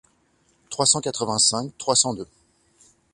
trois cent quatre-vingt-cinq trois cent deux.